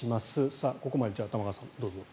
さあ、ここまで玉川さん、どうぞ。